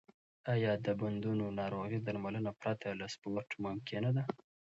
آیا د بندونو ناروغي درملنه پرته له سپورت ممکنه ده؟